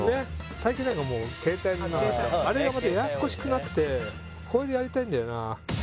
最近なんかもう携帯のになってあれがまたややこしくなってこれでやりたいんだよな